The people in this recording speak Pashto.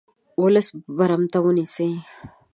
ولس برمته ونیسي.